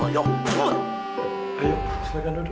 ayo silakan duduk